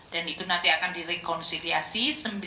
dan itu nanti akan direkonsiliasi